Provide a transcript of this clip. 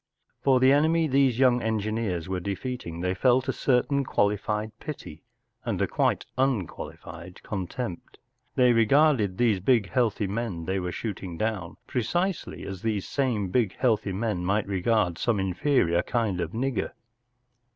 For the enemy these young engineers were defeating they felt a certain qualified pity and a quite unqualified contempt. They regarded these big, healthy men they were shooting down precisely as these same big, healthy men might regard ^ome inferior kind of nigger.